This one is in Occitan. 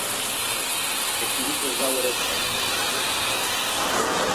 E quin tresau ère eth sòn, senhor?